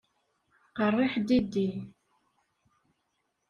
Qeṛṛiḥ diddi!